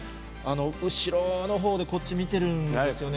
後ろのほうでこっち見てるんですよね。